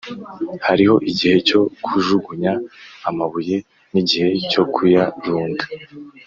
Hariho igihe cyo kujugunya amabuye nigihe cyo kuyarunda